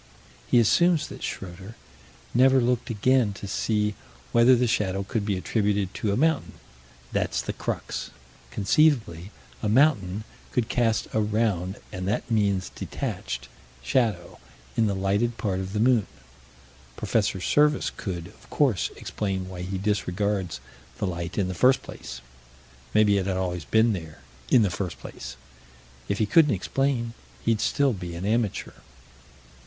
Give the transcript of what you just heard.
He assumes that Schroeter never looked again to see whether the shadow could be attributed to a mountain. That's the crux: conceivably a mountain could cast a round and that means detached shadow, in the lighted part of the moon. Prof. Serviss could, of course, explain why he disregards the light in the first place maybe it had always been there "in the first place." If he couldn't explain, he'd still be an amateur.